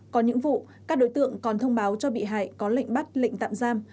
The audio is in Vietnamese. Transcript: có những vụ các đối tượng còn thông báo cho bị hại có lệnh bắt lệnh tạm giam